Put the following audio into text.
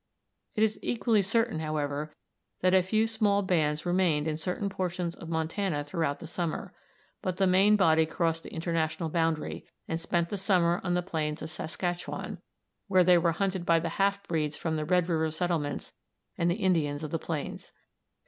It is equally certain, however, that a few small bauds remained in certain portions of Montana throughout the summer. But the main body crossed the international boundary, and spent the summer on the plains of the Saskatchewan, where they were hunted by the half breeds from the Red River settlements and the Indians of the plains.